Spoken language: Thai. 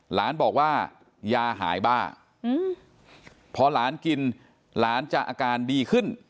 หลานบอกว่ายาหายบ้าพอหลานกินหลานจะอาการดีขึ้น